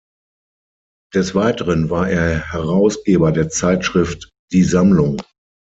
Des Weiteren war er Herausgeber der Zeitschrift "Die Sammlung.